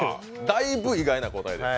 だいぶ意外な答えです。